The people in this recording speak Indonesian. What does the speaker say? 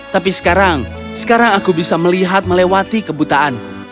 tapi sekarang sekarang aku bisa melihat melewati kebutaan